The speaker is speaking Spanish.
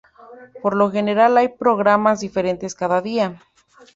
Por lo general hay programas diferentes cada día.